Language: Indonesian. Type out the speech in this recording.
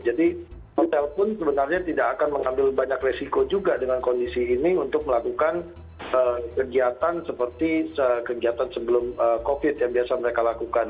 jadi hotel pun sebenarnya tidak akan mengambil banyak resiko juga dengan kondisi ini untuk melakukan kegiatan seperti kegiatan sebelum covid yang biasa mereka lakukan